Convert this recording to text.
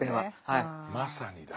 まさにだ。